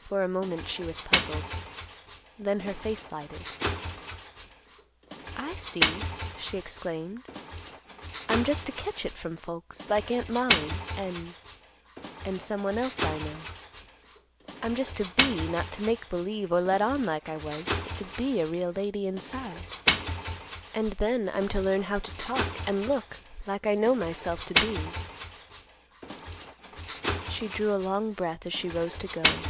For a moment she was puzzled. Then her face lighted; "I see!" she exclaimed. "I'm just to catch it from folks like Aunt Mollie, and—and someone else I know. I'm just to be, not to make believe or let on like I was, but to be a real lady inside. And then I'm to learn how to talk and look, like I know myself to be." She drew a long breath as she rose to go.